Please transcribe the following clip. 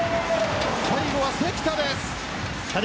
最後は関田です。